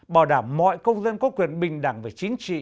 bảo đảm mọi công dân có quyền bình đẳng về chính trị